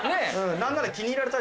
何なら。